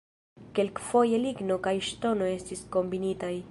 Kelkfoje ligno kaj ŝtono estis kombinitaj.